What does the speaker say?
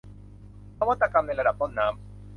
นวัตกรรมในระดับต้นน้ำ